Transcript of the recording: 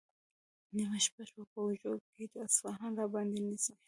نیمه شپه شوه، په وږو ګېډو اصفهان راباندې نیسي؟